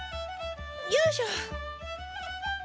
よいしょ。